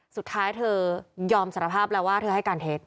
สุดท้ายเธอยอมสารภาพแล้วว่าเธอให้การเท็จ